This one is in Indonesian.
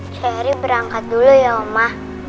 sehari berangkat dulu ya oma